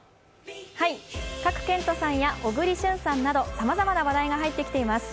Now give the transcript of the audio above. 賀来賢人さんや小栗旬さんなどさまざまな話題が入ってきています。